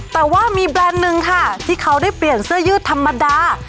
แต่ว่ามีแบรนด์หนึ่งค่ะที่เขาได้เปลี่ยนเสื้อยืดธรรมดา